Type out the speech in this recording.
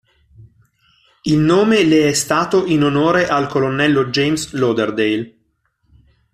Il nome le è stato in onore al colonnello James Lauderdale.